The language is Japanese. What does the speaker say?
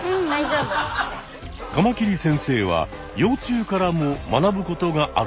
カマキリ先生は幼虫からも学ぶことがあるという。